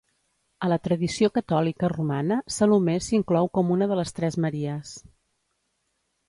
A la tradició catòlica romana Salomé s'inclou com una de les tres Maries.